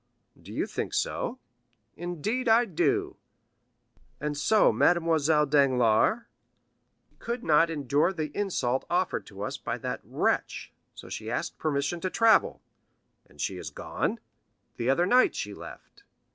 "Do you think so?" "Indeed I do." "And so Mademoiselle Danglars——" "She could not endure the insult offered to us by that wretch, so she asked permission to travel." "And is she gone?" "The other night she left."